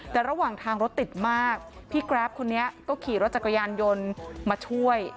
แต่ระหว่างทางรถติดมากพี่แกรฟคนนี้ก็ขี่รถจักรยานยนต์มาช่วย